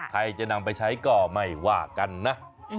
ใครจะนำไปใช้ก็ไม่ว่ากันนะ